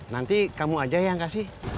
nanti kamu aja yang kasih